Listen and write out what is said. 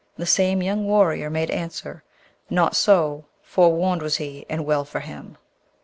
The same young warrior made answer, 'Not so; forewarned was he, and well for him!'